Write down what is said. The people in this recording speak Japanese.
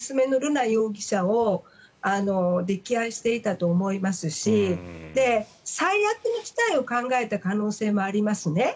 やはり、母親も娘の瑠奈容疑者を溺愛していたと思いますし最悪の事態を考えた可能性もありますね。